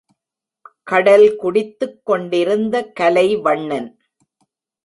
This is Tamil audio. கடல்குடித்துக் கொண்டிருந்த கலைவண்ணன்